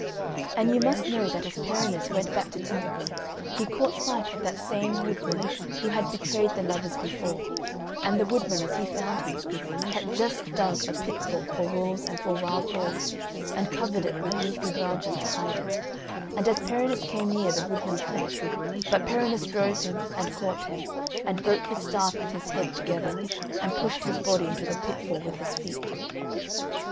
And you must know that as Perinis went back to Tintagel he caught sight of that same woodman who had betrayed the lovers before, and the woodman, as he found him, had just dug a pitfall for wolves and for wild boars, and covered it with leafy branches to hide it, and as Perinis came near the woodman fled, but Perinis drove him, and caught him, and broke his staff and his head together, and pushed his body into the pitfall with his feet.